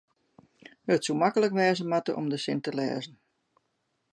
it soe maklik wêze moatte om de sin te lêzen